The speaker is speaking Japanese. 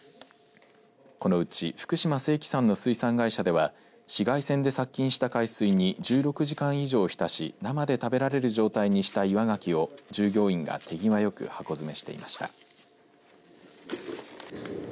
このうち福島晴喜さんの水産会社では紫外線で殺菌した海水に１６時間以上ひたし生で食べられる状態にした岩がきを従業員が手際よく箱詰めしていました。